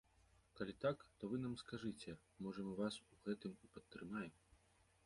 Калі так, то вы нам скажыце, можа мы вас у гэтым і падтрымаем.